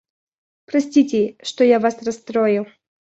Простите, что я вас расстроил.